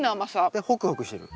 でホクホクしてる？